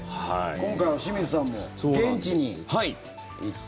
今回は清水さんも現地に行って。